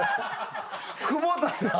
久保田さん